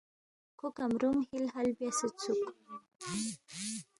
کھو کمرونگ ہِل ہَل بیاسیدسُوک